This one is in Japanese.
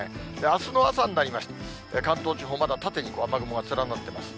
あすの朝になりまして、関東地方、まだ縦に雨雲が連なってます。